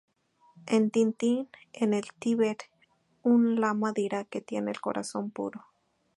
En "Tintín en el Tíbet" un lama dirá que tiene el "corazón puro".